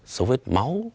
dấu vết máu